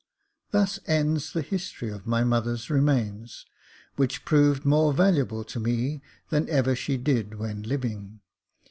Thus ends the history of my mother's remains, which proved more valuable to me than ever she did when living.